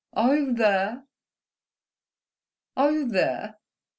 Are you theah?... Are you theah?"